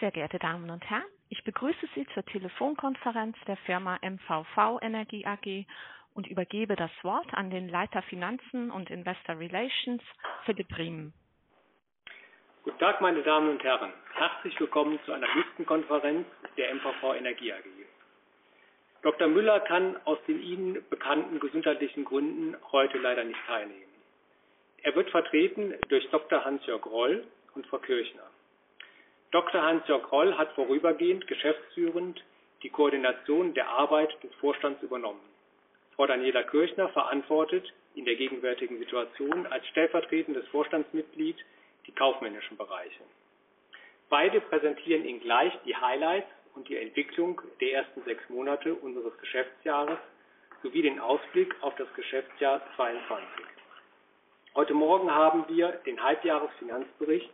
Sehr geehrte Damen und Herren, ich begrüße Sie zur Telefonkonferenz der Firma MVV Energie AG und übergebe das Wort an den Leiter Finanzen und Investor Relations, Philipp Riemen. Guten Tag, meine Damen und Herren. Herzlich willkommen zu einer nächsten Konferenz der MVV Energie AG. Dr. Müller kann aus den Ihnen bekannten gesundheitlichen Gründen heute leider nicht teilnehmen. Er wird vertreten durch Dr. Hansjörg Roll und Frau Kirchner. Dr. Hansjörg Roll hat vorübergehend geschäftsführend die Koordination der Arbeit des Vorstands übernommen. Frau Daniela Kirchner verantwortet in der gegenwärtigen Situation als stellvertretendes Vorstandsmitglied die kaufmännischen Bereiche. Beide präsentieren Ihnen gleich die Highlights und die Entwicklung der ersten 6 Monate unseres Geschäftsjahres sowie den Ausblick auf das Geschäftsjahr 2022. Heute Morgen haben wir den Halbjahresfinanzbericht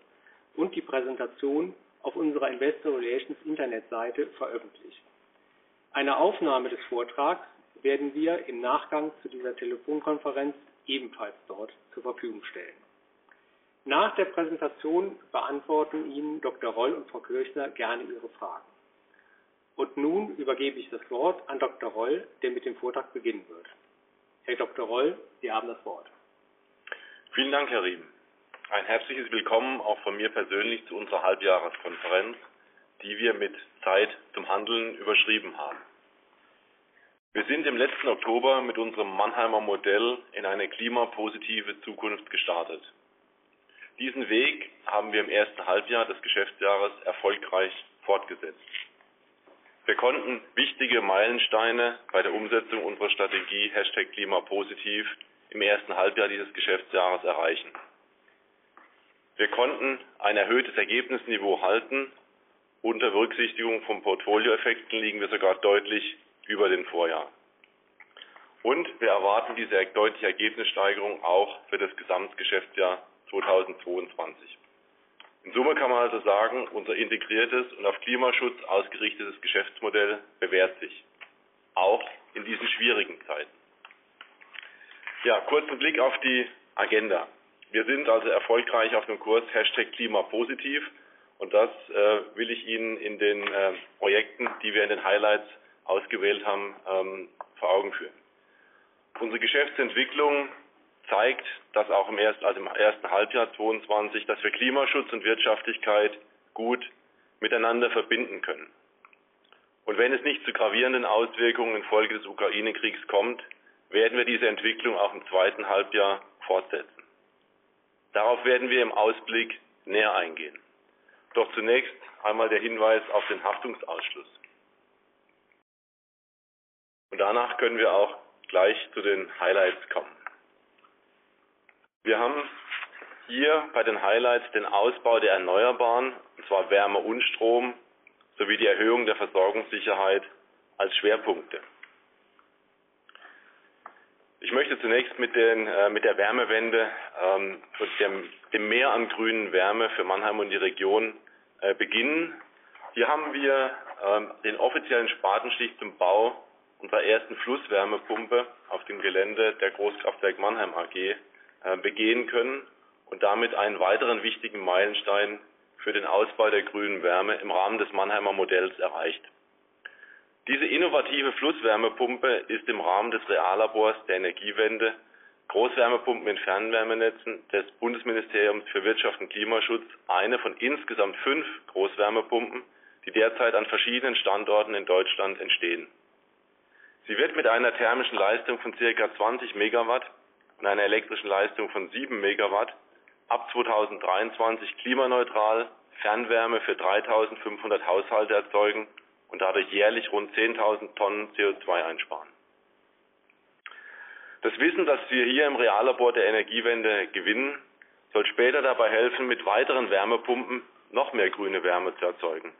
und die Präsentation auf unserer Investor Relations Internetseite veröffentlicht. Eine Aufnahme des Vortrags werden wir im Nachgang zu dieser Telefonkonferenz ebenfalls dort zur Verfügung stellen. Nach der Präsentation beantworten Ihnen Dr. Roll und Frau Kirchner gerne Ihre Fragen. Nun übergebe ich das Wort an Dr. Roll, der mit dem Vortrag beginnen wird. Roll, Sie haben das Wort. Vielen Dank, Herr Riemen. Ein herzliches Willkommen auch von mir persönlich zu unserer Halbjahreskonferenz, die wir mit Zeit zum Handeln überschrieben haben. Wir sind im letzten Oktober mit unserem Mannheimer Modell in eine klimapositive Zukunft gestartet. Diesen Weg haben wir im ersten Halbjahr des Geschäftsjahres erfolgreich fortgesetzt. Wir konnten wichtige Meilensteine bei der Umsetzung unserer Strategie Hashtag Klima positiv im ersten Halbjahr dieses Geschäftsjahres erreichen. Wir konnten ein erhöhtes Ergebnisniveau halten. Unter Berücksichtigung von Portfolioeffekten liegen wir sogar deutlich über dem Vorjahr. Wir erwarten diese deutliche Ergebnissteigerung auch für das Gesamtgeschäftsjahr 2022. In Summe kann man also sagen, unser integriertes und auf Klimaschutz ausgerichtetes Geschäftsmodell bewährt sich auch in diesen schwierigen Zeiten. Ja, kurzen Blick auf die Agenda. Wir sind also erfolgreich auf dem Kurs Hashtag Klima positiv und das will ich Ihnen in den Projekten, die wir in den Highlights ausgewählt haben, vor Augen führen. Unsere Geschäftsentwicklung zeigt, dass auch im ersten Halbjahr 2022, dass wir Klimaschutz und Wirtschaftlichkeit gut miteinander verbinden können. Wenn es nicht zu gravierenden Auswirkungen infolge des Ukrainekriegs kommt, werden wir diese Entwicklung auch im zweiten Halbjahr fortsetzen. Darauf werden wir im Ausblick näher eingehen. Zunächst einmal der Hinweis auf den Haftungsausschluss. Danach können wir auch gleich zu den Highlights kommen. Wir haben hier bei den Highlights den Ausbau der Erneuerbaren, und zwar Wärme und Strom, sowie die Erhöhung der Versorgungssicherheit als Schwerpunkte. Ich möchte zunächst mit der Wärmewende und dem Mehr an grünen Wärme für Mannheim und die Region beginnen. Hier haben wir den offiziellen Spatenstich zum Bau unserer ersten Flusswärmepumpe auf dem Gelände der Großkraftwerk Mannheim AG begehen können und damit einen weiteren wichtigen Meilenstein für den Ausbau der grünen Wärme im Rahmen des Mannheimer Modells erreicht. Diese innovative Flusswärmepumpe ist im Rahmen des Reallabor der Energiewende, Großwärmepumpen in Fernwärmenetzen des Bundesministeriums für Wirtschaft und Klimaschutz eine von insgesamt 5 Großwärmepumpen, die derzeit an verschiedenen Standorten in Deutschland entstehen. Sie wird mit einer thermischen Leistung von circa 20 MW und einer elektrischen Leistung von 7 MW ab 2023 klimaneutral Fernwärme für 3,500 Haushalte erzeugen und dadurch jährlich rund 10,000 Tonnen CO₂ einsparen. Das Wissen, das wir hier im Reallabor der Energiewende gewinnen, soll später dabei helfen, mit weiteren Wärmepumpen noch mehr grüne Wärme zu erzeugen.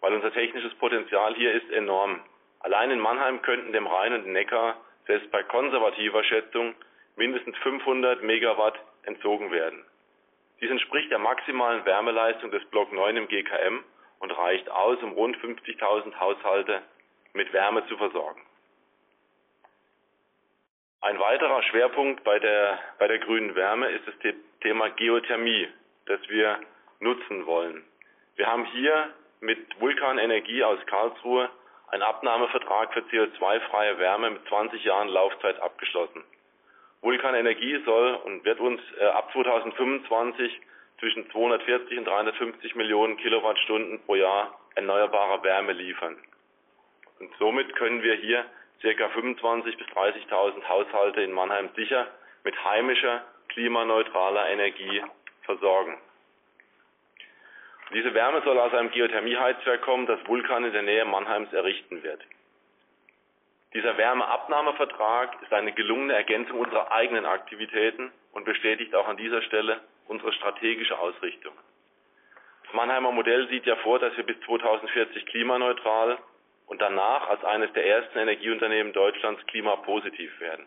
Weil unser technisches Potenzial hier ist enorm. Allein in Mannheim könnten dem Rhein und Neckar selbst bei konservativer Schätzung mindestens 500 MW entzogen werden. Dies entspricht der maximalen Wärmeleistung des Block 9 im GKM und reicht aus, um rund 50,000 Haushalte mit Wärme zu versorgen. Ein weiterer Schwerpunkt bei der grünen Wärme ist das Thema Geothermie, das wir nutzen wollen. Wir haben hier mit Vulcan Energie Ressourcen aus Karlsruhe einen Abnahmevertrag für CO₂-freie Wärme mit 20 Jahren Laufzeit abgeschlossen. Vulcan Energie Ressourcen soll und wird uns ab 2025 zwischen 240-350 Millionen Kilowattstunden pro Jahr erneuerbare Wärme liefern. Und somit können wir hier circa 25-30,000 Haushalte in Mannheim sicher mit heimischer klimaneutraler Energie versorgen. Diese Wärme soll aus einem Geothermieheizwerk kommen, das Vulcan Energie Ressourcen in der Nähe Mannheims errichten wird. Dieser Wärmeabnahmevertrag ist eine gelungene Ergänzung unserer eigenen Aktivitäten und bestätigt auch an dieser Stelle unsere strategische Ausrichtung. Das Mannheimer Modell sieht ja vor, dass wir bis 2040 klimaneutral und danach als eines der ersten Energieunternehmen Deutschlands klimapositiv werden.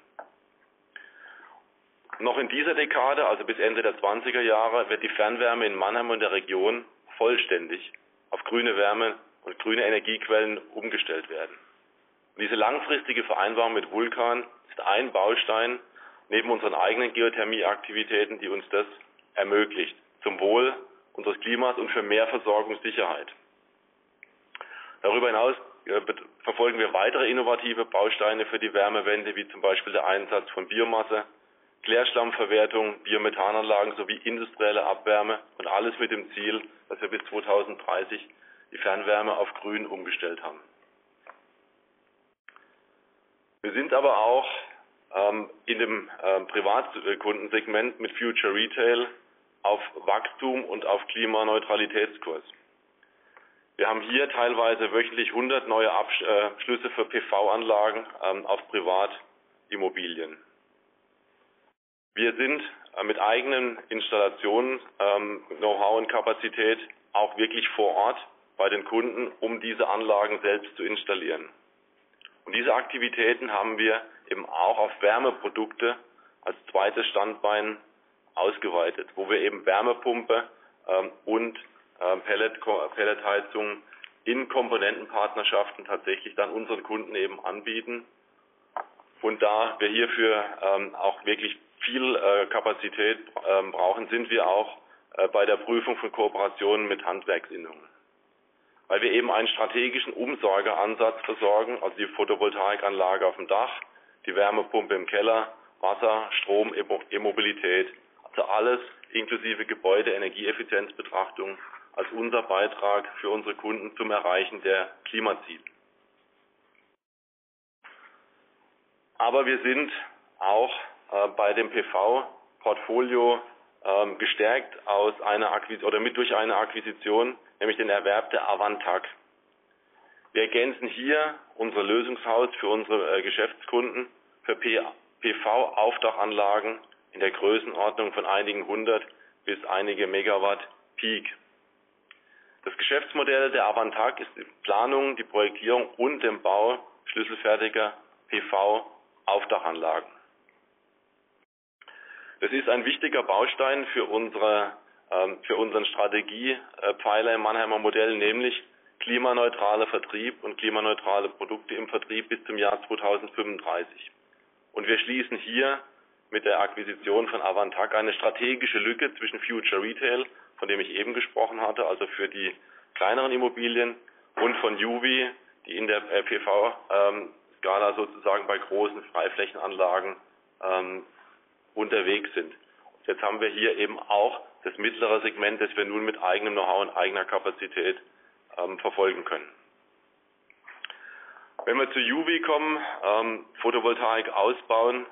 Noch in dieser Dekade, also bis Ende der zwanziger Jahre, wird die Fernwärme in Mannheim und der Region vollständig auf grüne Wärme und grüne Energiequellen umgestellt werden. Diese langfristige Vereinbarung mit Vulcan ist ein Baustein neben unseren eigenen Geothermieaktivitäten, die uns das ermöglicht, zum Wohl unseres Klimas und für mehr Versorgungssicherheit. Darüber hinaus verfolgen wir weitere innovative Bausteine für die Wärmewende, wie zum Beispiel der Einsatz von Biomasse, Klärschlammverwertung, Biomethananlagen sowie industrielle Abwärme und alles mit dem Ziel, dass wir bis 2030 die Fernwärme auf Grün umgestellt haben. Wir sind aber auch in dem Privatkundensegment mit Future Retail auf Wachstum- und Klimaneutralitätskurs. Wir haben hier teilweise wöchentlich 100 neue Abschlüsse für PV-Anlagen auf Privatimmobilien. Wir sind mit eigenen Installationen, Know-how und Kapazität auch wirklich vor Ort bei den Kunden, um diese Anlagen selbst zu installieren. Diese Aktivitäten haben wir eben auch auf Wärmeprodukte als zweites Standbein ausgeweitet, wo wir eben Wärmepumpe und Pelletheizungen in Komponentenpartnerschaften tatsächlich dann unseren Kunden eben anbieten. Da wir hierfür auch wirklich viel Kapazität brauchen, sind wir auch bei der Prüfung von Kooperationen mit Handwerksinnungen, weil wir eben einen strategischen Umsorgeransatz versorgen, also die Photovoltaikanlage auf dem Dach, die Wärmepumpe im Keller, Wasser, Strom, E-Mobilität, also alles inklusive Gebäudeenergieeffizienzbetrachtung als unser Beitrag für unsere Kunden zum Erreichen der Klimaziele. Wir sind auch bei dem PV-Portfolio gestärkt durch eine Akquisition, nämlich den Erwerb der Avantag. Wir ergänzen hier unser Lösungshaus für unsere Geschäftskunden für PV-Aufdachanlagen in der Größenordnung von einigen hundert bis einige Megawatt Peak. Das Geschäftsmodell der Avantag ist die Planung, die Projektierung und dem Bau schlüsselfertiger PV-Aufdachanlagen. Das ist ein wichtiger Baustein für unseren Strategiepfeiler im Mannheimer Modell, nämlich klimaneutraler Vertrieb und klimaneutrale Produkte im Vertrieb bis zum Jahr 2035. Wir schließen hier mit der Akquisition von Avantag eine strategische Lücke zwischen Future Retail, von dem ich eben gesprochen hatte, also für die kleineren Immobilien und von JUWI, die in der PV Skala sozusagen bei großen Freiflächenanlagen unterwegs sind. Jetzt haben wir hier eben auch das mittlere Segment, das wir nun mit eigenem Know-how und eigener Kapazität verfolgen können. Wenn wir zu JUWI kommen, Photovoltaik ausbauen,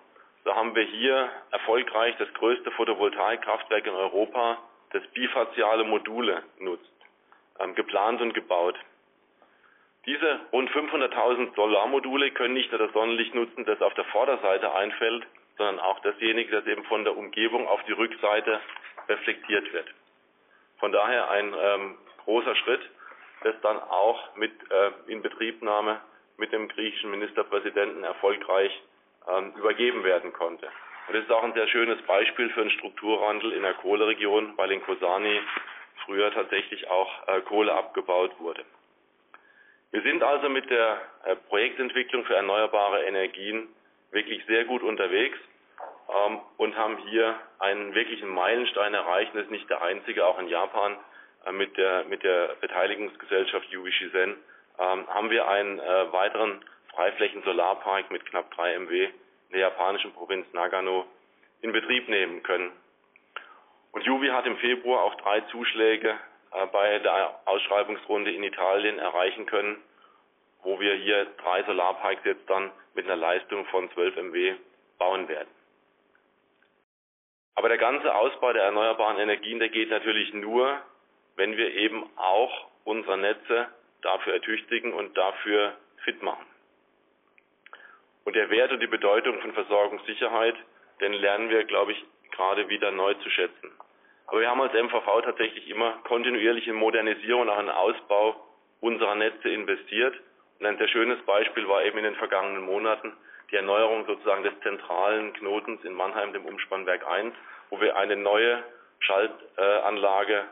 so haben wir hier erfolgreich das größte Photovoltaikkraftwerk in Europa, das bifaziale Module nutzt, geplant und gebaut. Diese rund 500,000 Solarmodule können nicht nur das Sonnenlicht nutzen, das auf der Vorderseite einfällt, sondern auch dasjenige, das eben von der Umgebung auf die Rückseite reflektiert wird. Von daher ein großer Schritt, dass dann auch mit Inbetriebnahme mit dem griechischen Ministerpräsidenten erfolgreich übergeben werden konnte. Das ist auch ein sehr schönes Beispiel für einen Strukturwandel in der Kohleregion, weil in Kozani früher tatsächlich auch Kohle abgebaut wurde. Wir sind also mit der Projektentwicklung für erneuerbare Energien wirklich sehr gut unterwegs und haben hier einen wirklichen Meilenstein erreicht und das ist nicht der einzige. Auch in Japan mit der Beteiligungsgesellschaft JUWI Shizen haben wir einen weiteren Freiflächensolarpark mit knapp 3 MW in der japanischen Provinz Nagano in Betrieb nehmen können. JUWI hat im Februar auch 3 Zuschläge bei der Ausschreibungsrunde in Italien erreichen können, wo wir hier 3 Solarparks jetzt dann mit einer Leistung von 12 MW bauen werden. Der ganze Ausbau der erneuerbaren Energien, der geht natürlich nur, wenn wir eben auch unsere Netze dafür ertüchtigen und dafür fit machen. Der Wert und die Bedeutung von Versorgungssicherheit, den lernen wir, glaube ich, gerade wieder neu zu schätzen. Wir haben als MVV tatsächlich immer kontinuierlich in Modernisierung und auch in den Ausbau unserer Netze investiert. Ein sehr schönes Beispiel war eben in den vergangenen Monaten die Erneuerung sozusagen des zentralen Knotens in Mannheim, dem Umspannwerk 1, wo wir eine neue Schaltanlage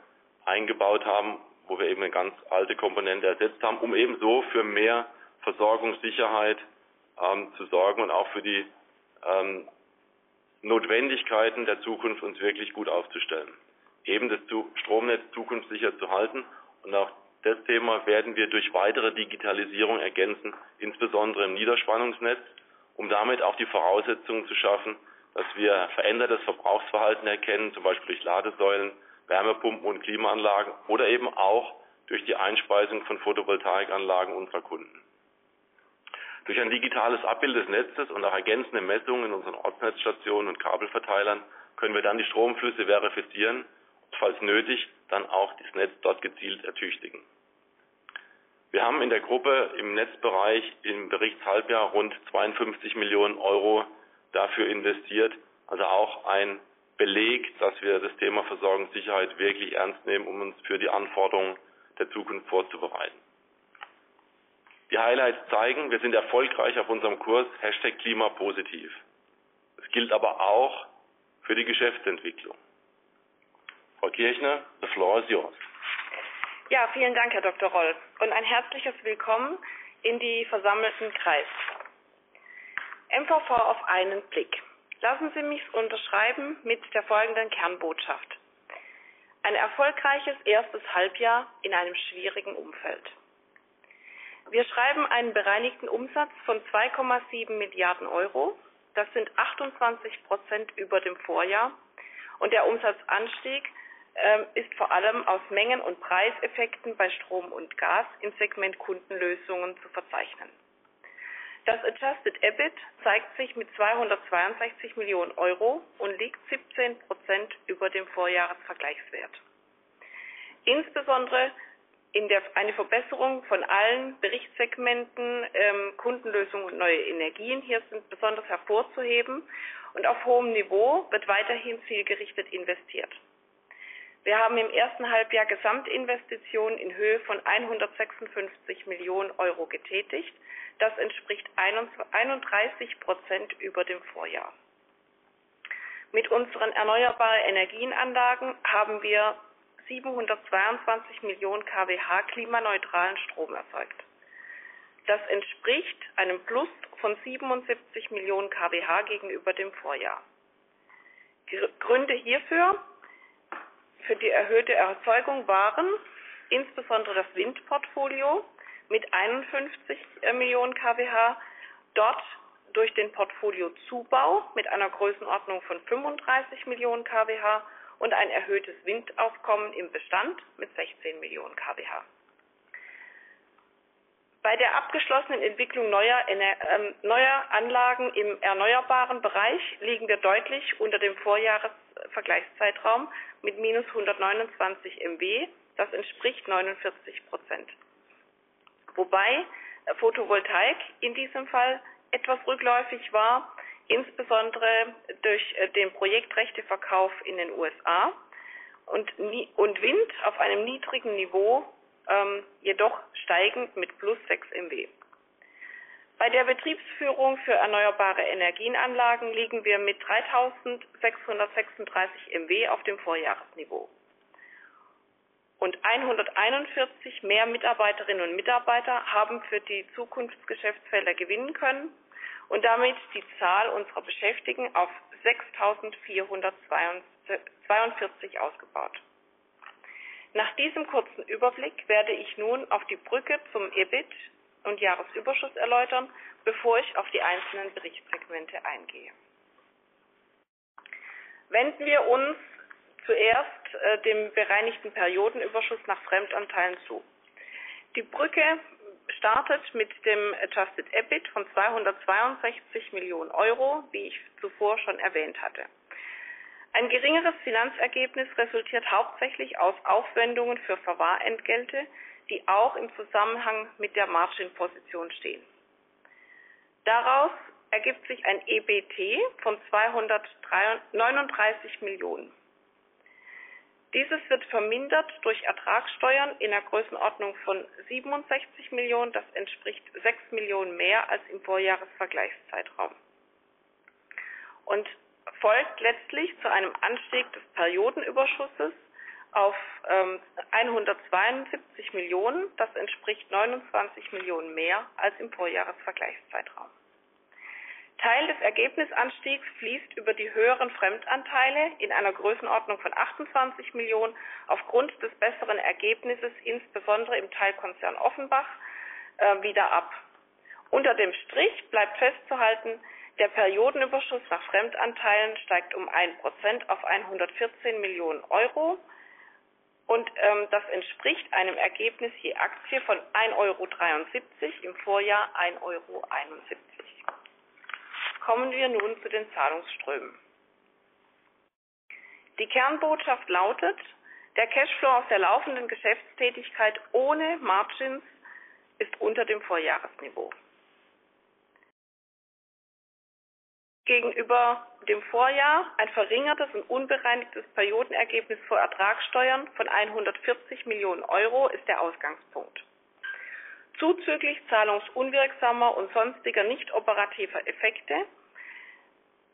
eingebaut haben, wo wir eben eine ganz alte Komponente ersetzt haben, um eben so für mehr Versorgungssicherheit zu sorgen und auch für die Notwendigkeiten der Zukunft uns wirklich gut aufzustellen, eben das Stromnetz zukunftssicher zu halten. Auch das Thema werden wir durch weitere Digitalisierung ergänzen, insbesondere im Niederspannungsnetz, um damit auch die Voraussetzungen zu schaffen, dass wir verändertes Verbrauchsverhalten erkennen, zum Beispiel durch Ladesäulen, Wärmepumpen und Klimaanlagen oder eben auch durch die Einspeisung von Photovoltaikanlagen unserer Kunden. Durch ein digitales Abbild des Netzes und auch ergänzende Messungen in unseren Ortnetzstationen und Kabelverteilern können wir dann die Stromflüsse verifizieren und falls nötig, dann auch das Netz dort gezielt ertüchtigen. Wir haben in der Gruppe im Netzbereich im Berichtshalbjahr rund 52 million euro dafür investiert. Also auch ein Beleg, dass wir das Thema Versorgungssicherheit wirklich ernst nehmen, um uns für die Anforderungen der Zukunft vorzubereiten. Die Highlights zeigen. Wir sind erfolgreich auf unserem Kurs #klimapositiv. Das gilt aber auch für die Geschäftsentwicklung. Frau Daniela Kirchner, the floor is yours. Ja, vielen Dank, Herr Dr. Hansjörg Roll. Ein herzliches Willkommen in die versammelten Kreise. MVV auf einen Blick. Lassen Sie michs unterstreichen mit der folgenden Kernbotschaft. Ein erfolgreiches erstes Halbjahr in einem schwierigen Umfeld. Wir schreiben einen bereinigten Umsatz von 2.7 Milliarden euro, das sind 28% über dem Vorjahr und der Umsatzanstieg ist vor allem aus Mengen und Preiseffekten bei Strom und Gas im Segment Kundenlösungen zu verzeichnen. Das Adjusted EBIT zeigt sich mit 262 Millionen euro und liegt 17% über dem Vorjahresvergleichswert. Insbesondere eine Verbesserung von allen Berichtssegmenten, Kundenlösungen und neue Energien hier sind besonders hervorzuheben und auf hohem Niveau wird weiterhin zielgerichtet investiert. Wir haben im ersten Halbjahr Gesamtinvestitionen in Höhe von 156 Millionen euro getätigt. Das entspricht 31% über dem Vorjahr. Mit unseren Erneuerbare-Energien-Anlagen haben wir 722 Millionen kWh klimaneutralen Strom erzeugt. Das entspricht einem Plus von 77 Millionen kWh gegenüber dem Vorjahr. Die Gründe hierfür für die erhöhte Erzeugung waren insbesondere das Windportfolio mit 51 Millionen kWh, dort durch den Portfoliozubau mit einer Größenordnung von 35 Millionen kWh und ein erhöhtes Windaufkommen im Bestand mit 16 Millionen kWh. Bei der abgeschlossenen Entwicklung neuer Anlagen im erneuerbaren Bereich liegen wir deutlich unter dem Vorjahresvergleichszeitraum mit -129 MW, das entspricht 49%. Wobei Photovoltaik in diesem Fall etwas rückläufig war, insbesondere durch den Projektrechteverkauf in den USA und Wind auf einem niedrigen Niveau, jedoch steigend mit +6 MW. Bei der Betriebsführung für Erneuerbare-Energien-Anlagen liegen wir mit 3,636 MW auf dem Vorjahresniveau. 141 mehr Mitarbeiterinnen und Mitarbeiter haben für die Zukunftsgeschäftsfelder gewinnen können und damit die Zahl unserer Beschäftigten auf 6,242 ausgebaut. Nach diesem kurzen Überblick werde ich nun auf die Brücke zum EBIT und Jahresüberschuss erläutern, bevor ich auf die einzelnen Berichtssegmente eingehe. Wenden wir uns zuerst dem bereinigten Periodenüberschuss nach Fremdanteilen zu. Die Brücke startet mit dem Adjusted EBIT von 262 million euro, wie ich zuvor schon erwähnt hatte. Ein geringeres Finanzergebnis resultiert hauptsächlich aus Aufwendungen für Verwahrentgelte, die auch im Zusammenhang mit der Margin-Position stehen. Daraus ergibt sich ein EBT von 239 million. Dieses wird vermindert durch Ertragsteuern in der Größenordnung von 67 million. Das entspricht 6 million mehr als im Vorjahresvergleichszeitraum und folgt letztlich zu einem Anstieg des Periodenüberschuss auf einhundertzweiundsiebzig Millionen. Das entspricht 29 million mehr als im Vorjahresvergleichszeitraum. Teil des Ergebnisanstiegs fließt über die höheren Fremdanteile in einer Größenordnung von 28 million aufgrund des besseren Ergebnisses, insbesondere im Teilkonzern Offenbach, wieder ab. Unter dem Strich bleibt festzuhalten: Der Periodenüberschuss nach Fremdanteilen steigt um 1% auf 114 Millionen euro und das entspricht einem Ergebnis je Aktie von 1.73 euro, im Vorjahr 1.71 euro. Kommen wir nun zu den Zahlungsströmen. Die Kernbotschaft lautet: Der Cashflow aus der laufenden Geschäftstätigkeit ohne Margins ist unter dem Vorjahresniveau. Gegenüber dem Vorjahr ein verringertes und unbereinigtes Periodenergebnis vor Ertragsteuern von 140 Millionen euro ist der Ausgangspunkt. Zuzüglich zahlungsunwirksamer und sonstiger nicht operativer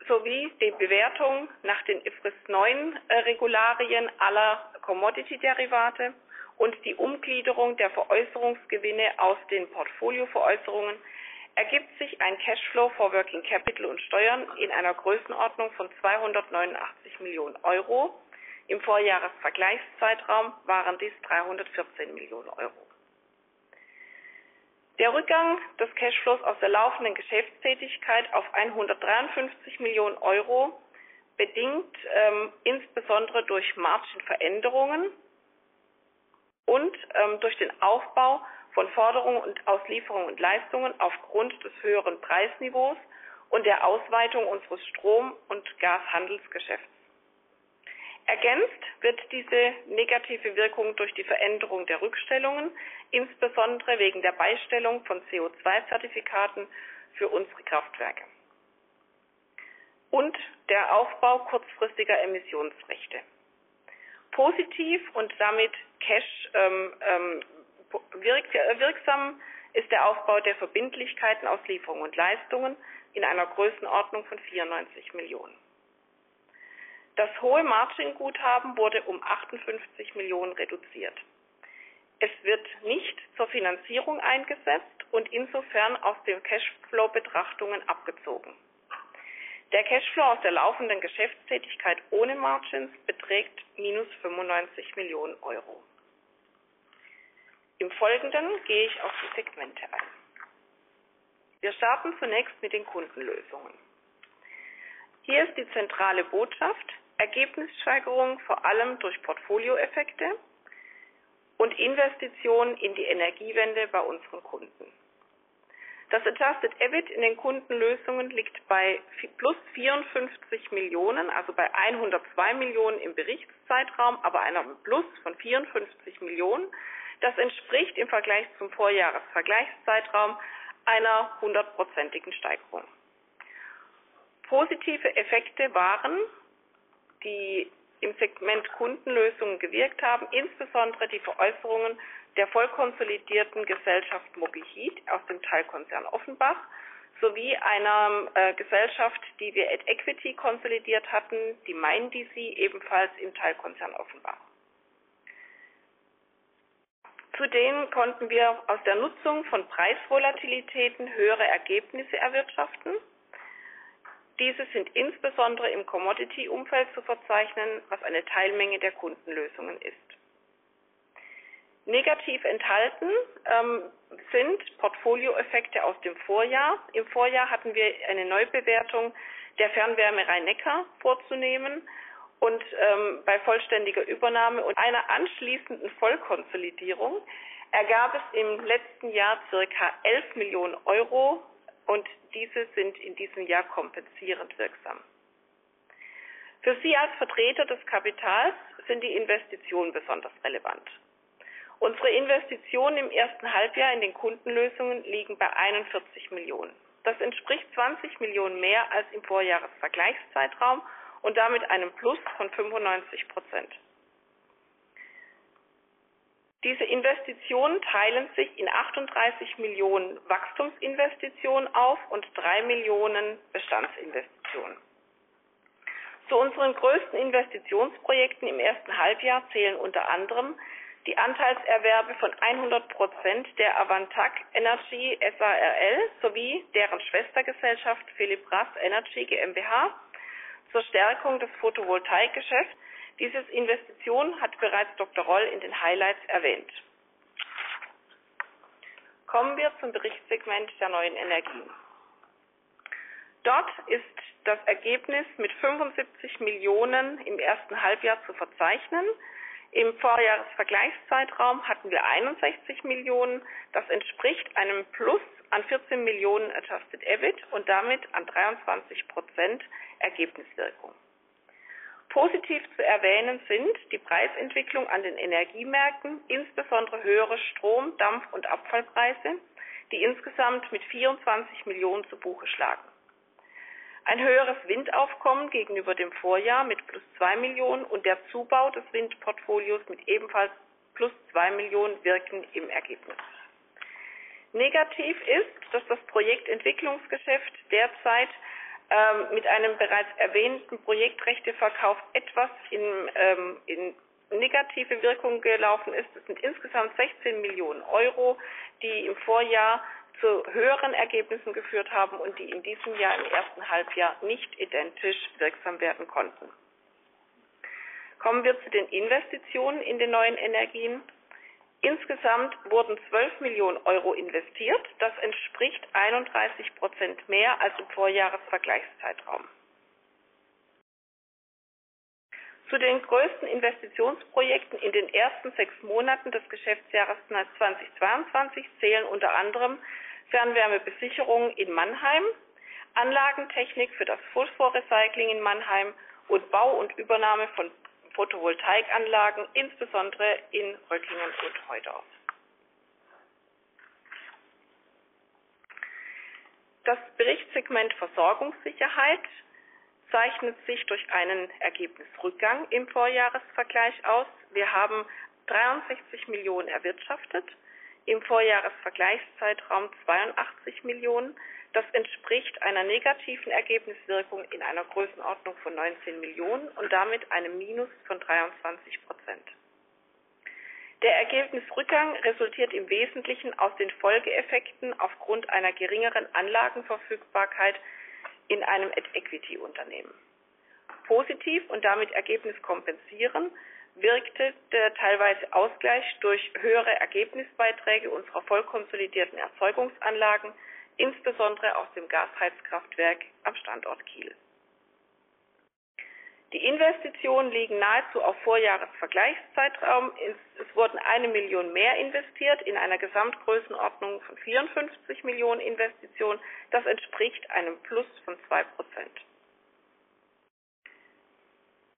Effekte sowie die Bewertung nach den IFRS 9 Regularien aller Commodity Derivate und die Umgliederung der Veräußerungsgewinne aus den Portfolioveräußerungen ergibt sich ein Cashflow vor Working Capital und Steuern in einer Größenordnung von 289 Millionen euro. Im Vorjahresvergleichszeitraum waren dies 314 Millionen euro. Der Rückgang des Cashflows aus der laufenden Geschäftstätigkeit auf 153 Millionen euro bedingt insbesondere durch Margenveränderungen und durch den Aufbau von Forderungen und aus Lieferungen und Leistungen aufgrund des höheren Preisniveaus und der Ausweitung unseres Strom- und Gashandelsgeschäfts. Ergänzt wird diese negative Wirkung durch die Veränderung der Rückstellungen, insbesondere wegen der Beistellung von CO₂-Zertifikaten für unsere Kraftwerke und der Aufbau kurzfristiger Emissionsrechte. Positiv und damit cashwirksam ist der Aufbau der Verbindlichkeiten aus Lieferungen und Leistungen in einer Größenordnung von 94 Millionen. Das hohe Margin-Guthaben wurde um 58 Millionen reduziert. Es wird nicht zur Finanzierung eingesetzt und insofern aus den Cashflow-Betrachtungen abgezogen. Der Cashflow aus der laufenden Geschäftstätigkeit ohne Margins beträgt minus 95 Millionen. Im Folgenden gehe ich auf die Segmente ein. Wir starten zunächst mit den Kundenlösungen. Hier ist die zentrale Botschaft, Ergebnissteigerung vor allem durch Portfolioeffekte und Investitionen in die Energiewende bei unseren Kunden. Das Adjusted EBIT in den Kundenlösungen liegt bei +54 Millionen, also bei 102 Millionen im Berichtszeitraum, aber einem Plus von 54 Millionen. Das entspricht im Vergleich zum Vorjahresvergleichszeitraum einer 100%igen Steigerung. Positive Effekte waren, die im Segment Kundenlösungen gewirkt haben, insbesondere die Veräußerungen der voll konsolidierten Gesellschaft mobiheat aus dem Teilkonzern Offenbach sowie einer Gesellschaft, die wir At Equity konsolidiert hatten, die Main DC, ebenfalls im Teilkonzern Offenbach. Zudem konnten wir aus der Nutzung von Preisvolatilitäten höhere Ergebnisse erwirtschaften. Diese sind insbesondere im Commodity-Umfeld zu verzeichnen, was eine Teilmenge der Kundenlösungen ist. Negativ enthalten sind Portfolioeffekte aus dem Vorjahr. Im Vorjahr hatten wir eine Neubewertung der Fernwärme Rhein-Neckar vorzunehmen und bei vollständiger Übernahme und einer anschließenden Vollkonsolidierung ergab es im letzten Jahr circa 11 Millionen euro und diese sind in diesem Jahr kompensierend wirksam. Für Sie als Vertreter des Kapitals sind die Investitionen besonders relevant. Unsere Investitionen im ersten Halbjahr in den Kundenlösungen liegen bei 41 million. Das entspricht 20 million mehr als im Vorjahresvergleichszeitraum und damit einem Plus von 95%. Diese Investitionen teilen sich in 38 million Wachstumsinvestitionen auf und 3 million Bestandsinvestitionen. Zu unseren größten Investitionsprojekten im ersten Halbjahr zählen unter anderem die Anteilserwerbe von 100% der Avantag Energy S.à r.l. sowie deren Schwestergesellschaft Philipp Rass Energy GmbH zur Stärkung des Photovoltaikgeschäfts. Dieses Investition hat bereits Dr. Roll in den Highlights erwähnt. Kommen wir zum Berichtssegment der neuen Energien. Dort ist das Ergebnis mit 75 million im ersten Halbjahr zu verzeichnen. Im Vorjahresvergleichszeitraum hatten wir 61 million. Das entspricht einem Plus an 14 million Adjusted EBIT und damit an 23% Ergebniswirkung. Positiv zu erwähnen sind die Preisentwicklungen an den Energiemärkten, insbesondere höhere Strom-, Dampf- und Abfallpreise, die insgesamt mit 24 million zu Buche schlagen. Ein höheres Windaufkommen gegenüber dem Vorjahr mit +2 million und der Zubau des Windportfolios mit ebenfalls +2 million wirken im Ergebnis. Negativ ist, dass das Projektentwicklungsgeschäft derzeit mit einem bereits erwähnten Projektrechteverkauf etwas in negative Wirkung gelaufen ist. Es sind insgesamt 16 million euro, die im Vorjahr zu höheren Ergebnissen geführt haben und die in diesem Jahr im ersten Halbjahr nicht identisch wirksam werden konnten. Kommen wir zu den Investitionen in den neuen Energien. Insgesamt wurden 12 million euro investiert. Das entspricht 31% mehr als im Vorjahresvergleichszeitraum. Zu den größten Investitionsprojekten in den ersten sechs Monaten des Geschäftsjahres 2022 zählen unter anderem Fernwärmebesicherungen in Mannheim, Anlagentechnik für das Phosphor-Recycling in Mannheim und Bau und Übernahme von Photovoltaikanlagen, insbesondere in Reutlingen und Heudorf. Das Berichtssegment Versorgungssicherheit zeichnet sich durch einen Ergebnisrückgang im Vorjahresvergleich aus. Wir haben 63 million erwirtschaftet, im Vorjahresvergleichszeitraum 82 million. Das entspricht einer negativen Ergebniswirkung in einer Größenordnung von 19 Millionen und damit einem Minus von 23%. Der Ergebnisrückgang resultiert im Wesentlichen aus den Folgeeffekten aufgrund einer geringeren Anlagenverfügbarkeit in einem At-Equity-Unternehmen. Positiv und damit ergebniskompensierend wirkte der teilweise Ausgleich durch höhere Ergebnisbeiträge unserer voll konsolidierten Erzeugungsanlagen, insbesondere aus dem Gasheizkraftwerk am Standort Kiel. Die Investitionen liegen nahezu auf Vorjahresvergleichszeitraum. Es wurden 1 Million mehr investiert in einer Gesamtgrößenordnung von 54 Millionen Investitionen. Das entspricht einem Plus von 2%.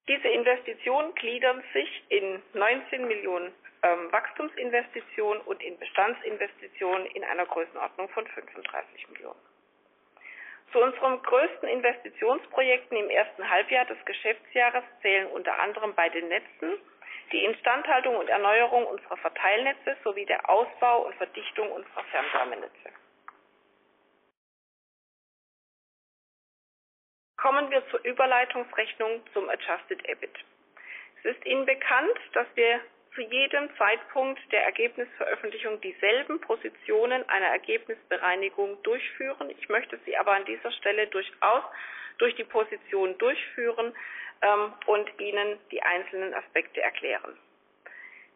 Diese Investitionen gliedern sich in 19 Millionen Wachstumsinvestitionen und in Bestandsinvestitionen in einer Größenordnung von 35 Millionen. Zu unseren größten Investitionsprojekten im ersten Halbjahr des Geschäftsjahres zählen unter anderem bei den Netzen die Instandhaltung und Erneuerung unserer Verteilnetze sowie der Ausbau und Verdichtung unserer Fernwärmenetze. Kommen wir zur Überleitungsrechnung, zum Adjusted EBIT. Es ist Ihnen bekannt, dass wir zu jedem Zeitpunkt der Ergebnisveröffentlichung dieselben Positionen einer Ergebnisbereinigung durchführen. Ich möchte Sie an dieser Stelle durchaus durch die Position durchführen und Ihnen die einzelnen Aspekte erklären.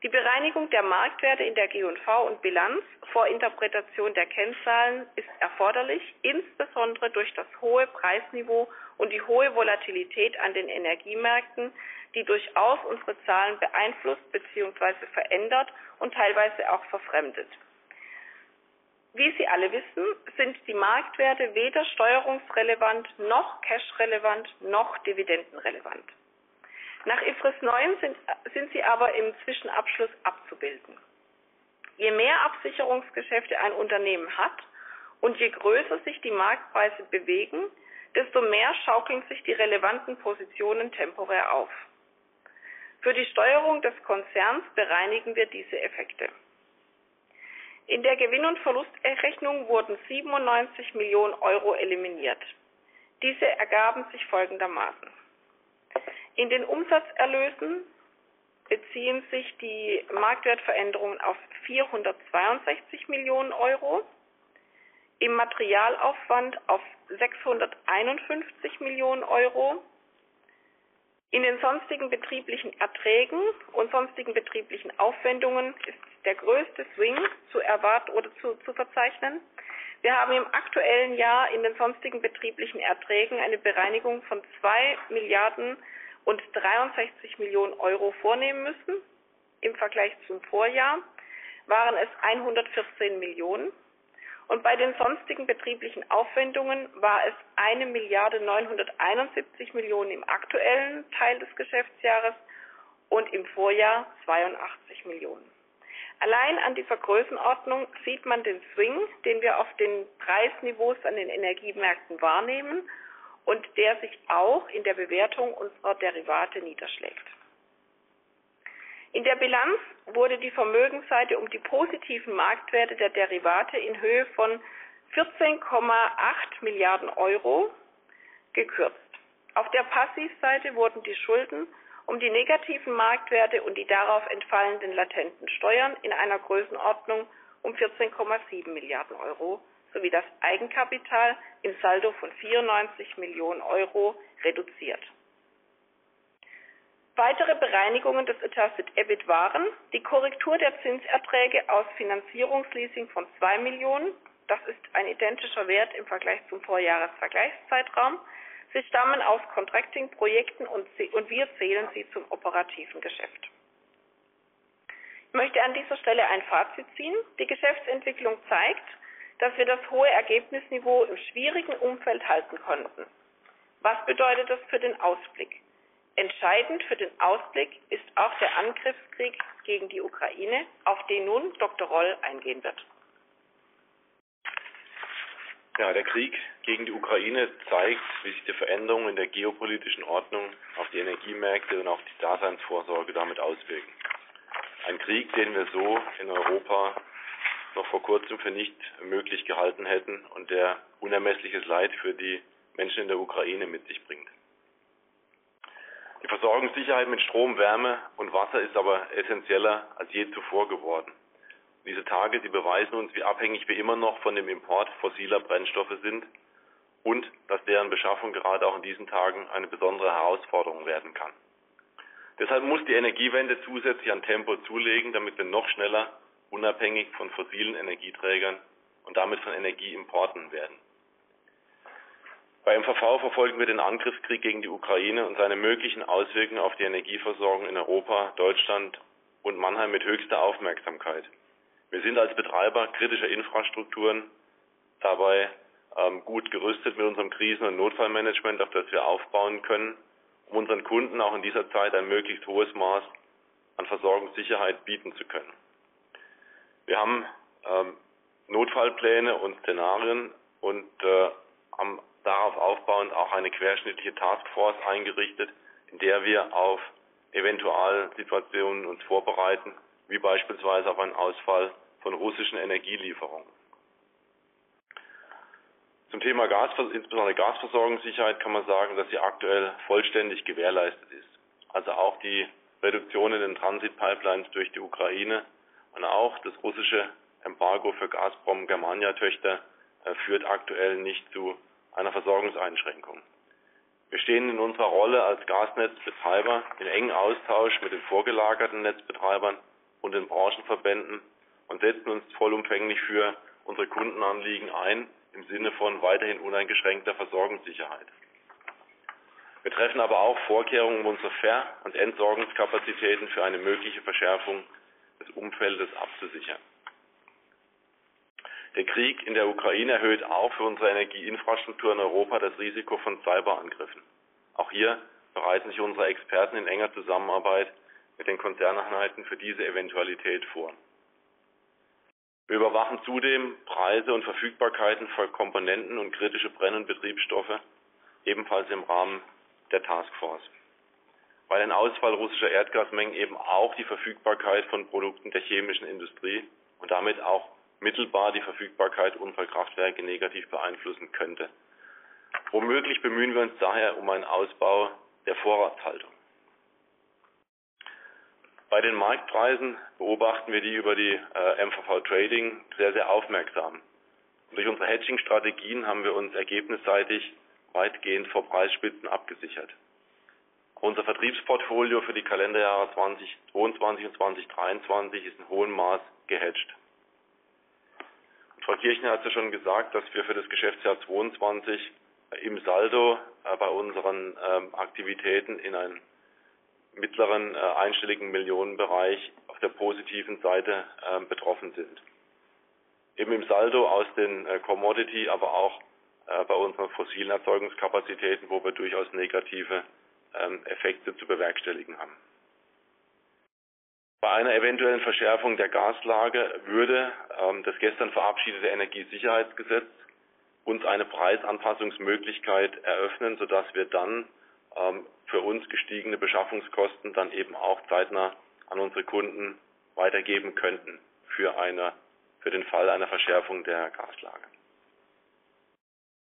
Die Bereinigung der Marktwerte in der GuV und Bilanz vor Interpretation der Kennzahlen ist erforderlich, insbesondere durch das hohe Preisniveau und die hohe Volatilität an den Energiemärkten, die durchaus unsere Zahlen beeinflusst beziehungsweise verändert und teilweise auch verfremdet. Wie Sie alle wissen, sind die Marktwerte weder steuerungsrelevant noch cashrelevant noch dividendenrelevant. Nach IFRS 9 sind sie aber im Zwischenabschluss abzubilden. Je mehr Absicherungsgeschäfte ein Unternehmen hat und je größer sich die Marktpreise bewegen, desto mehr schaukeln sich die relevanten Positionen temporär auf. Für die Steuerung des Konzerns bereinigen wir diese Effekte. In der Gewinn- und Verlustrechnung wurden 97 million euro eliminiert. Diese ergaben sich folgendermaßen. In den Umsatzerlösen beziehen sich die Marktwertveränderungen auf 462 million euro, im Materialaufwand auf 651 million euro. In den sonstigen betrieblichen Erträgen und sonstigen betrieblichen Aufwendungen ist der größte Swing zu erwarten oder zu verzeichnen. Wir haben im aktuellen Jahr in den sonstigen betrieblichen Erträgen eine Bereinigung von 2 Milliarden und 63 Millionen vornehmen müssen. Im Vergleich zum Vorjahr waren es 114 Millionen und bei den sonstigen betrieblichen Aufwendungen war es 1 Milliarde euro 971 Millionen im aktuellen Teil des Geschäftsjahres und im Vorjahr 82 Millionen. Allein an dieser Größenordnung sieht man den Swing, den wir auf den Preisniveaus an den Energiemärkten wahrnehmen und der sich auch in der Bewertung unserer Derivate niederschlägt. In der Bilanz wurde die Vermögensseite um die positiven Marktwerte der Derivate in Höhe von 14.8 Milliarden euro gekürzt. Auf der Passivseite wurden die Schulden um die negativen Marktwerte und die darauf entfallenden latenten Steuern in einer Größenordnung um 14.7 billion euro sowie das Eigenkapital im Saldo von 94 million euro reduziert. Weitere Bereinigungen des Adjusted EBIT waren die Korrektur der Zinserträge aus Finanzierungsleasing von 2 million. Das ist ein identischer Wert im Vergleich zum Vorjahresvergleichszeitraum. Sie stammen aus Contracting-Projekten, und wir zählen sie zum operativen Geschäft. Ich möchte an dieser Stelle ein Fazit ziehen. Die Geschäftsentwicklung zeigt, dass wir das hohe Ergebnisniveau im schwierigen Umfeld halten konnten. Was bedeutet das für den Ausblick? Entscheidend für den Ausblick ist auch der Angriffskrieg gegen die Ukraine, auf den nun Dr. Roll eingehen wird. Ja, der Krieg gegen die Ukraine zeigt, wie sich die Veränderungen in der geopolitischen Ordnung auf die Energiemärkte und auch die Daseinsvorsorge damit auswirken. Ein Krieg, den wir so in Europa noch vor Kurzem für nicht möglich gehalten hätten und der unermessliches Leid für die Menschen in der Ukraine mit sich bringt. Die Versorgungssicherheit mit Strom, Wärme und Wasser ist aber essenzieller als je zuvor geworden. Diese Tage, die beweisen uns, wie abhängig wir immer noch von dem Import fossiler Brennstoffe sind und dass deren Beschaffung gerade auch in diesen Tagen eine besondere Herausforderung werden kann. Deshalb muss die Energiewende zusätzlich an Tempo zulegen, damit wir noch schneller unabhängig von fossilen Energieträgern und damit von Energieimporten werden. Beim MVV verfolgen wir den Angriffskrieg gegen die Ukraine und seine möglichen Auswirkungen auf die Energieversorgung in Europa, Deutschland und Mannheim mit höchster Aufmerksamkeit. Wir sind als Betreiber kritischer Infrastrukturen dabei, gut gerüstet mit unserem Krisen- und Notfallmanagement, auf das wir aufbauen können, um unseren Kunden auch in dieser Zeit ein möglichst hohes Maß an Versorgungssicherheit bieten zu können. Wir haben Notfallpläne und Szenarien und haben darauf aufbauend auch eine querschnittliche Taskforce eingerichtet, in der wir auf Eventualsituationen uns vorbereiten, wie beispielsweise auf einen Ausfall von russischen Energielieferungen. Zum Thema Gas, insbesondere Gasversorgungssicherheit kann man sagen, dass sie aktuell vollständig gewährleistet ist. Also auch die Reduktion in den Transitpipelines durch die Ukraine und auch das russische Embargo für Gazprom Germania Töchter führt aktuell nicht zu einer Versorgungseinschränkung. Wir stehen in unserer Rolle als Gasnetzbetreiber in engem Austausch mit den vorgelagerten Netzbetreibern und den Branchenverbänden und setzen uns vollumfänglich für unsere Kundenanliegen ein, im Sinne von weiterhin uneingeschränkter Versorgungssicherheit. Wir treffen aber auch Vorkehrungen, um unsere Ver- und Entsorgungskapazitäten für eine mögliche Verschärfung des Umfeldes abzusichern. Der Krieg in der Ukraine erhöht auch für unsere Energieinfrastruktur in Europa das Risiko von Cyberangriffen. Auch hier bereiten sich unsere Experten in enger Zusammenarbeit mit den Konzerneinheiten für diese Eventualität vor. Wir überwachen zudem Preise und Verfügbarkeiten von Komponenten und kritische Brenn- und Betriebsstoffe ebenfalls im Rahmen der Taskforce, weil ein Ausfall russischer Erdgasmengen eben auch die Verfügbarkeit von Produkten der chemischen Industrie und damit auch mittelbar die Verfügbarkeit unserer Kraftwerke negativ beeinflussen könnte. Womöglich bemühen wir uns daher um einen Ausbau der Vorratshaltung. Bei den Marktpreisen beobachten wir sie über die MVV Trading sehr aufmerksam. Durch unsere Hedging-Strategien haben wir uns ergebnisseitig weitgehend vor Preisspitzen abgesichert. Unser Vertriebsportfolio für die Kalenderjahre 2022 und 2023 ist in hohem Maß gehedged. Frau Kirchner hat es ja schon gesagt, dass wir für das Geschäftsjahr 2022 im Saldo bei unseren Aktivitäten in einem mittleren einstelligen EUR-Millionenbereich auf der positiven Seite betroffen sind. Im Saldo aus den Commodity, aber auch bei unseren fossilen Erzeugungskapazitäten, wo wir durchaus negative Effekte zu bewerkstelligen haben. Bei einer eventuellen Verschärfung der Gaslage würde das gestern verabschiedete Energiesicherungsgesetz uns eine Preisanpassungsmöglichkeit eröffnen, sodass wir dann für uns gestiegene Beschaffungskosten dann eben auch zeitnah an unsere Kunden weitergeben könnten für eine, für den Fall einer Verschärfung der Gaslage.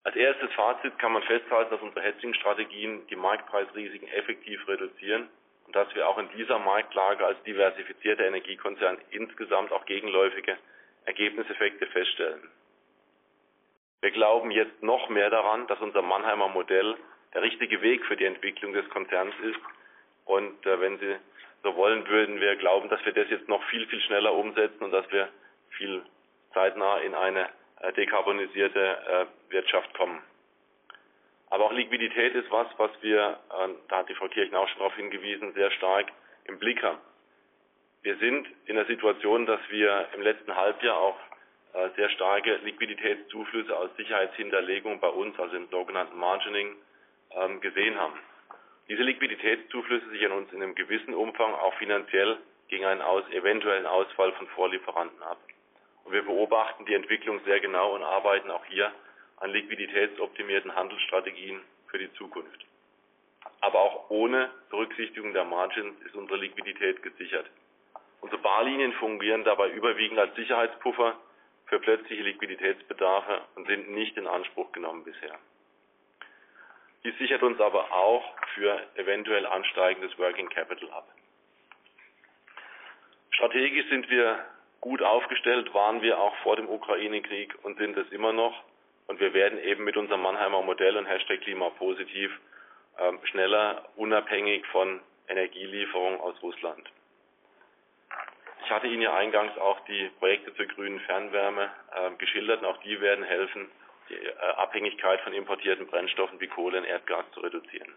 Als erstes Fazit kann man festhalten, dass unsere Hedging-Strategien die Marktpreisrisiken effektiv reduzieren und dass wir auch in dieser Marktlage als diversifizierter Energiekonzern insgesamt auch gegenläufige Ergebniseffekte feststellen. Wir glauben jetzt noch mehr daran, dass unser Mannheimer Modell der richtige Weg für die Entwicklung des Konzerns ist. Wenn Sie so wollen, würden wir glauben, dass wir das jetzt noch viel schneller umsetzen und dass wir viel zeitnah in eine dekarbonisierte Wirtschaft kommen. Aber auch Liquidität ist was wir, da hat die Frau Kirchner auch schon drauf hingewiesen, sehr stark im Blick haben. Wir sind in der Situation, dass wir im letzten Halbjahr auch sehr starke Liquiditätszuflüsse aus Sicherheitshinterlegung bei uns, also im sogenannten Margining, gesehen haben. Diese Liquiditätszuflüsse sichern uns in einem gewissen Umfang auch finanziell gegen einen eventuellen Ausfall von Vorlieferanten ab. Wir beobachten die Entwicklung sehr genau und arbeiten auch hier an liquiditätsoptimierten Handelsstrategien für die Zukunft. Aber auch ohne Berücksichtigung der Margins ist unsere Liquidität gesichert. Unsere Wahllinien fungieren dabei überwiegend als Sicherheitspuffer für plötzliche Liquiditätsbedarfe und sind nicht in Anspruch genommen bisher. Dies sichert uns aber auch für eventuell ansteigendes Working Capital ab. Strategisch sind wir gut aufgestellt, waren wir auch vor dem Ukraine-Krieg und sind es immer noch. Wir werden eben mit unserem Mannheimer Modell und Hashtag #klimapositiv schneller unabhängig von Energielieferungen aus Russland. Ich hatte Ihnen ja eingangs auch die Projekte für grünen Fernwärme geschildert und auch die werden helfen, die Abhängigkeit von importierten Brennstoffen wie Kohle und Erdgas zu reduzieren.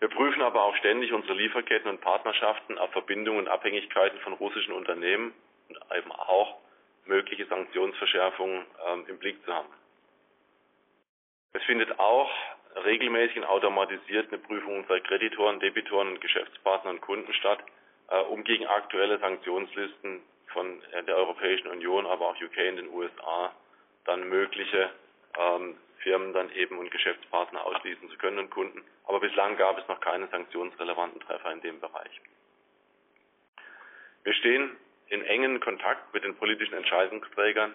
Wir prüfen aber auch ständig unsere Lieferketten und Partnerschaften auf Verbindungen und Abhängigkeiten von russischen Unternehmen und eben auch mögliche Sanktionsverschärfungen im Blick zu haben. Es findet auch regelmäßig eine automatisierte Prüfung bei Kreditoren, Debitoren, Geschäftspartnern und Kunden statt, um gegen aktuelle Sanktionslisten von der Europäischen Union, aber auch UK und den USA dann mögliche Firmen und Geschäftspartner ausschließen zu können und Kunden. Bislang gab es noch keine sanktionsrelevanten Treffer in dem Bereich. Wir stehen in engem Kontakt mit den politischen Entscheidungsträgern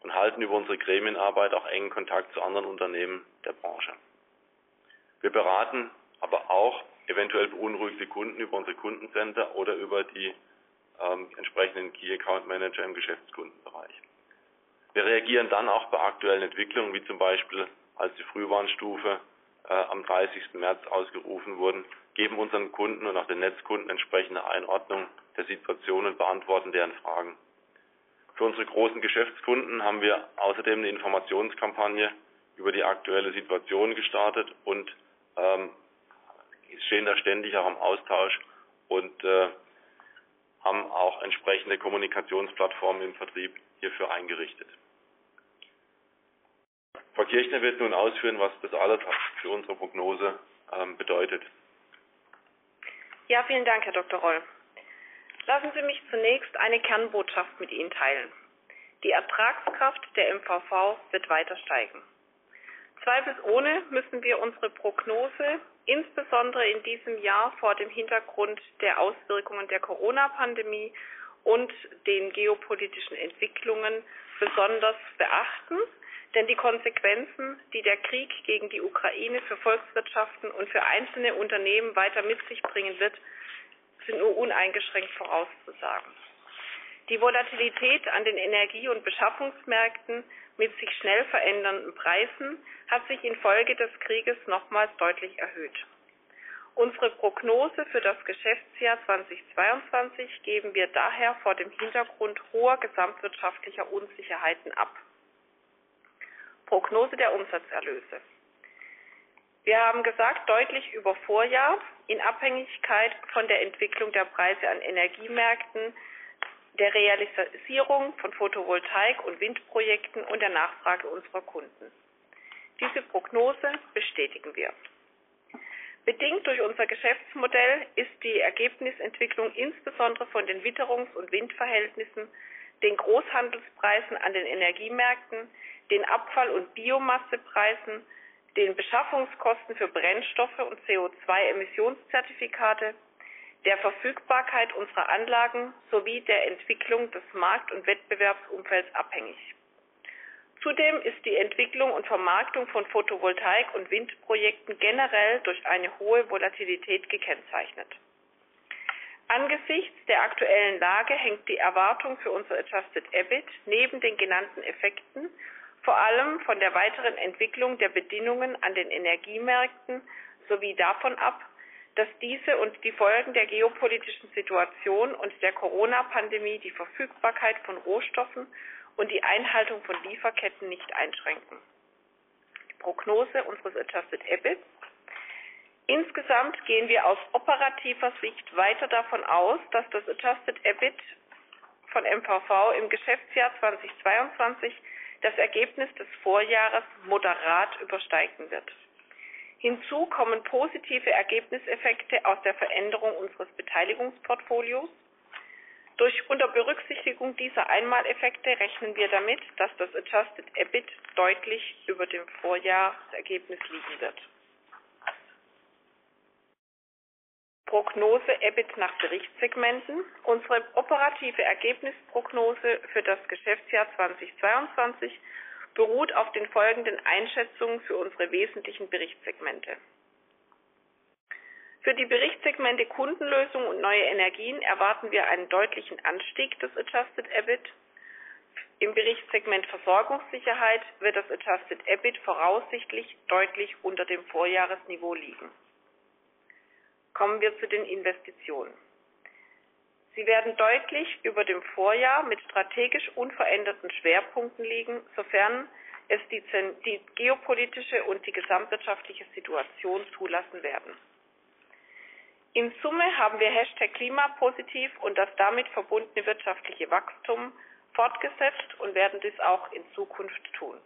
und halten über unsere Gremienarbeit auch engen Kontakt zu anderen Unternehmen der Branche. Wir beraten aber auch eventuell beunruhigte Kunden über unser Kundencenter oder über die entsprechenden Key Account Manager im Geschäftskundenbereich. Wir reagieren dann auch bei aktuellen Entwicklungen, wie zum Beispiel als die Frühwarnstufe am dreißigsten März ausgerufen wurden, geben unseren Kunden und auch den Netzkunden entsprechende Einordnung der Situation und beantworten deren Fragen. Für unsere großen Geschäftskunden haben wir außerdem eine Informationskampagne über die aktuelle Situation gestartet und stehen da ständig auch im Austausch und haben auch entsprechende Kommunikationsplattformen im Vertrieb hierfür eingerichtet. Frau Kirchner wird nun ausführen, was das alles für unsere Prognose bedeutet. Ja, vielen Dank, Herr Dr. Roll. Lassen Sie mich zunächst eine Kernbotschaft mit Ihnen teilen. Die Ertragskraft der MVV wird weiter steigen. Zweifelsohne müssen wir unsere Prognose insbesondere in diesem Jahr vor dem Hintergrund der Auswirkungen der Corona-Pandemie und den geopolitischen Entwicklungen besonders beachten. Denn die Konsequenzen, die der Krieg gegen die Ukraine für Volkswirtschaften und für einzelne Unternehmen weiter mit sich bringen wird, sind nur uneingeschränkt vorauszusagen. Die Volatilität an den Energie- und Beschaffungsmärkten mit sich schnell verändernden Preisen hat sich in Folge des Krieges nochmals deutlich erhöht. Unsere Prognose für das Geschäftsjahr 2022 geben wir daher vor dem Hintergrund hoher gesamtwirtschaftlicher Unsicherheiten ab. Prognose der Umsatzerlöse: Wir haben gesagt, deutlich über Vorjahr, in Abhängigkeit von der Entwicklung der Preise an Energiemärkten, der Realisierung von Photovoltaik- und Windprojekten und der Nachfrage unserer Kunden. Diese Prognose bestätigen wir. Bedingt durch unser Geschäftsmodell ist die Ergebnisentwicklung insbesondere von den Witterungs- und Windverhältnissen, den Großhandelspreisen an den Energiemärkten, den Abfall- und Biomassepreisen, den Beschaffungskosten für Brennstoffe und CO₂-Emissionszertifikate, der Verfügbarkeit unserer Anlagen sowie der Entwicklung des Markt- und Wettbewerbsumfelds abhängig. Zudem ist die Entwicklung und Vermarktung von Photovoltaik- und Windprojekten generell durch eine hohe Volatilität gekennzeichnet. Angesichts der aktuellen Lage hängt die Erwartung für unser Adjusted EBIT neben den genannten Effekten vor allem von der weiteren Entwicklung der Bedingungen an den Energiemärkten sowie davon ab, dass diese und die Folgen der geopolitischen Situation und der Corona-Pandemie die Verfügbarkeit von Rohstoffen und die Einhaltung von Lieferketten nicht einschränken. Die Prognose unseres Adjusted EBIT: Insgesamt gehen wir aus operativer Sicht weiter davon aus, dass das Adjusted EBIT von MVV im Geschäftsjahr 2022 das Ergebnis des Vorjahres moderat übersteigen wird. Hinzu kommen positive Ergebniseffekte aus der Veränderung unseres Beteiligungsportfolios. Durch unter Berücksichtigung dieser Einmaleffekte rechnen wir damit, dass das Adjusted EBIT deutlich über dem Vorjahresergebnis liegen wird. Prognose EBIT nach Berichtssegmenten. Unsere operative Ergebnisprognose für das Geschäftsjahr 2022 beruht auf den folgenden Einschätzungen für unsere wesentlichen Berichtssegmente. Für die Berichtssegmente Kundenlösungen und neue Energien erwarten wir einen deutlichen Anstieg des Adjusted EBIT. Im Berichtssegment Versorgungssicherheit wird das Adjusted EBIT voraussichtlich deutlich unter dem Vorjahresniveau liegen. Kommen wir zu den Investitionen. Sie werden deutlich über dem Vorjahr mit strategisch unveränderten Schwerpunkten liegen, sofern es die geopolitische und die gesamtwirtschaftliche Situation zulassen werden. In Summe haben wir #klimapositiv und das damit verbundene wirtschaftliche Wachstum fortgesetzt und werden dies auch in Zukunft tun.